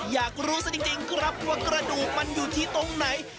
อยากรู้ซะจริงครับว่ากระดูกมันอยู่ที่ตรงไหน